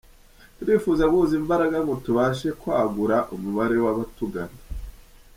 Turifuza guhuza imbaraga ngo tubashe kwagura umubare w’abatugana.